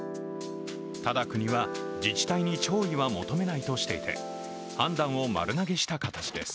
ただ、国は自治体に弔意は求めないとしていて、判断を丸投げした形です。